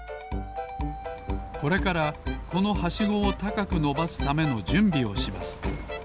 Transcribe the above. これからこのはしごをたかくのばすためのじゅんびをします。